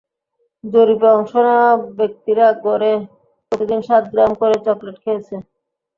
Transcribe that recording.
জরিপে অংশ নেওয়া ব্যক্তিরা গড়ে প্রতিদিন সাত গ্রাম করে চকলেট খেয়েছেন।